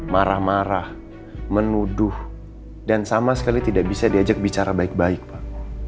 marah marah menuduh dan sama sekali tidak bisa diajak bicara baik baik pak